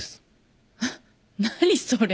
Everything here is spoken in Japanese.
何それ？